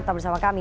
tetap bersama kami